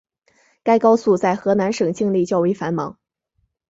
该高速在河南省境内较为繁忙。